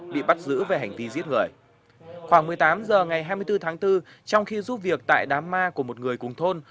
bị bắt giữ về hành vi giết người khoảng một mươi tám h ngày hai mươi bốn tháng bốn trong khi giúp việc tại đám ma của một người cùng thôn